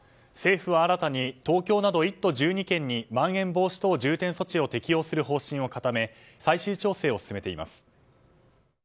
政府は新たに東京など１都１２県にまん延防止等重点措置を適用する方針を固め最終調整を進めています。